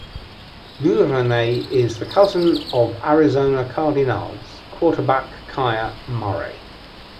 Duvernay is the cousin of Arizona Cardinals quarterback Kyler Murray.